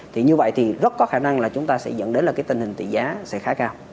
thì như vậy thì rất có khả năng là chúng ta sẽ dẫn đến là cái tình hình tỷ giá sẽ khá cao